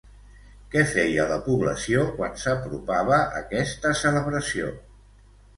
Què feia la població quan s'apropava aquesta celebració?